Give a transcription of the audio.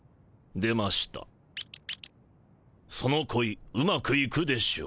その恋うまくいくでしょう。